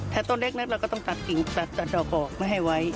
ถ้าต้นเล็กนักเราก็ต้องตัดกิ่งตัดดอกออกไว้